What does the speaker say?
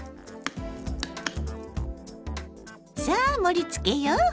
さあ盛りつけよう！